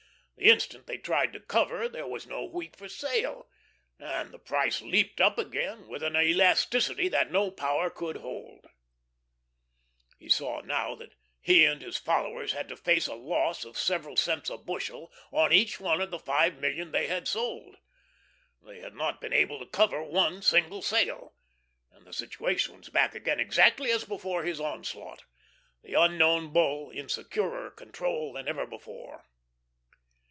The instant they tried to cover there was no wheat for sale, and the price leaped up again with an elasticity that no power could control. He saw now that he and his followers had to face a loss of several cents a bushel on each one of the five million they had sold. They had not been able to cover one single sale, and the situation was back again exactly as before his onslaught, the Unknown Bull in securer control than ever before.